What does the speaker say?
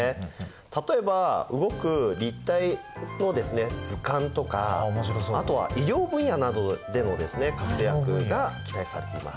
例えば動く立体の図鑑とかあとは医療分野などでの活躍が期待されています。